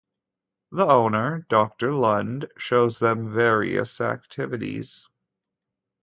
The owner Doctor Lund shows them various activities.